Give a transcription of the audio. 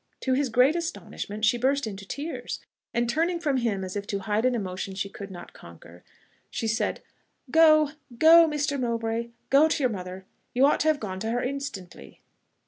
To his great astonishment she burst into tears, and turning from him as if to hide an emotion she could not conquer, she said, "Go, go, Mr. Mowbray go to your mother you ought to have gone to her instantly."